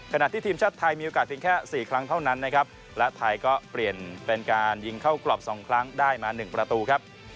ขณะที่ทีมชาติไทยมีโอกาสเพียงแค่๔ครั้งเท่านั้นนะครับและไทยก็เปลี่ยนเป็นการยิงเข้ากรอบ๒ครั้งได้มา๑ประตูครับ